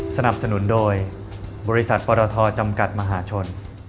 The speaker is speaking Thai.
สนับสนุนโดยบริษัทปรทจำกัดมหาชน